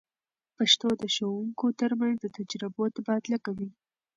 پښتو د ښوونکو تر منځ د تجربو تبادله کوي.